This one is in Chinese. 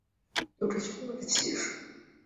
有著雄伟的气势